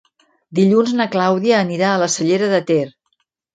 Dilluns na Clàudia anirà a la Cellera de Ter.